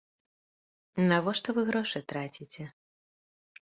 Навошта вы грошы траціце?